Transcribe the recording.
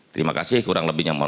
terima kasih kurang lebihnya